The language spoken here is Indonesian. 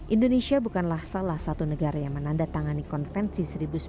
indonesia bukanlah salah satu negara yang menandatangani konvensi seribu sembilan ratus empat puluh